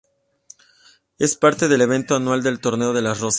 Es parte del evento anual del Torneo de las Rosas.